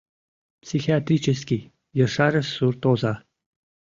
— Психиатрический, — ешарыш сурт оза.